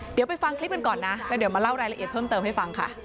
เดี๋ยวไปฟังคลิปกันก่อนนะแล้วเดี๋ยวมาเล่ารายละเอียดเพิ่มเติมให้ฟังค่ะ